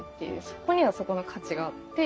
そこにはそこの価値があって。